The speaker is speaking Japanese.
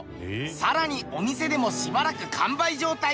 更にお店でもしばらく完売状態。